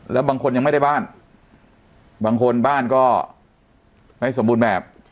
แล้วบางคนยังไม่ได้บ้านบางคนบ้านก็ไม่สมบูรณ์แบบ